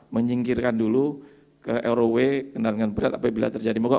menyingkirkan dulu ke airway kendaraan berat apabila terjadi mogok